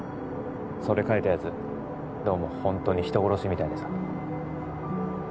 それ描いたやつどうもホントに人殺しみたいでさ